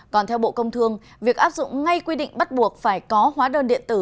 còn theo bộ công thương việc áp dụng ngay quy định bắt buộc phải có hóa đơn điện tử